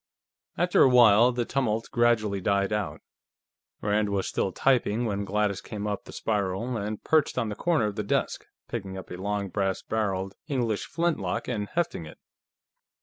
After a while, the tumult gradually died out. Rand was still typing when Gladys came up the spiral and perched on the corner of the desk, picking up a long brass barreled English flintlock and hefting it.